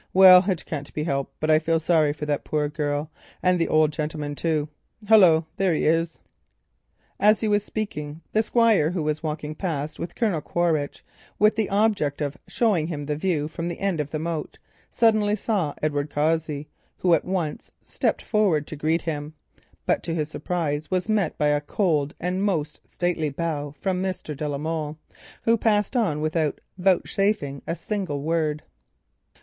Well, it can't be helped, but I feel sorry for that poor woman, and the old gentleman too—ah, there he is." As he was speaking the Squire, who was walking past with Colonel Quaritch, with the object of showing him the view from the end of the moat, suddenly came face to face with Edward Cossey. He at once stepped forward to greet him, but to his surprise was met by a cold and most stately bow from Mr. de la Molle, who passed on without vouchsafing a single word.